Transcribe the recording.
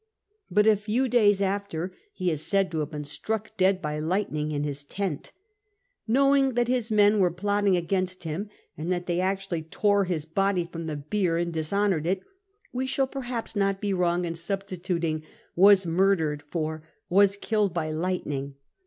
But a few days after he is said to have been struck dead by lightning in his tent. Know ing that his men were plotting against him, and that they actually tore his body from the bier and dishonoured it, we shall perhaps not be wrong in substituting '' was murdered " for '' was killed by lightning.'